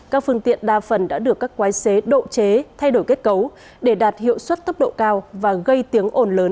các phương tiện đa phần đã được các quái xế độ chế thay đổi kết cấu để đạt hiệu suất tốc độ cao và gây tiếng ồn lớn